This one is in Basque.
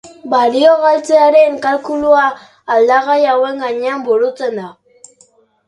Balio-galtzearen kalkulua aldagai hauen gainean burutzen da.